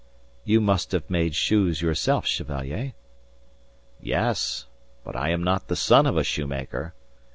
"You have made shoes yourself, Chevalier." "Yes. But I am not the son of a shoemaker.